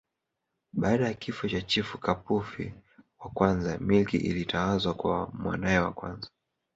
Baada ya kifo cha Chifu Kapufi wa Kwanza milki ilitawazwa kwa mwanae wa kwanza